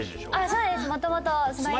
そうです。